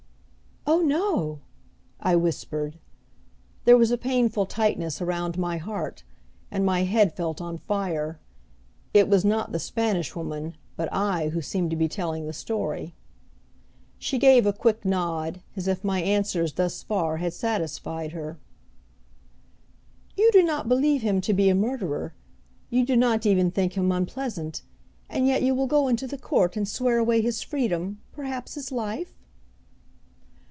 "Oh, no!" I whispered. There was a painful tightness around my heart, and my head felt on fire. It was not the Spanish Woman but I who seemed to be telling the story. She gave a quick nod, as if my answers thus far had satisfied her. "You do not believe him to be a murderer, you do not even think him unpleasant, and yet you will go into the court and swear away his freedom perhaps his life?"